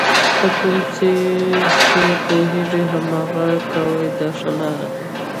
په کوم څه چې پوهېږئ هماغه کوئ دا ښه لار ده.